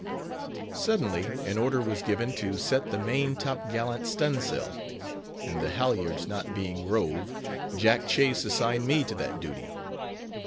Suddenly an order was given to set the main top gallant stun' sail, and the halyards not being rove, Jack Chase assigned to me that duty.